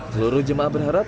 seluruh jemaah berharap